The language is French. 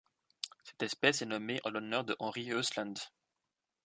Cette espèce est nommée en l'honneur de Henri Hoestlandt.